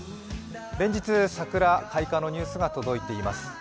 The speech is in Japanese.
連日、桜開花のニュースが届いています。